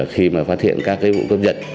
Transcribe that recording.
khi mà phát hiện các cái vụ cướp giật